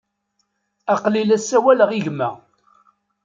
Aql-i la sawaleɣ i gma.